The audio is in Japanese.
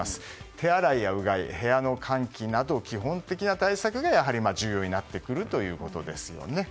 手洗いやうがい、部屋の換気など基本的な対策がやはり重要になってくるということですよね。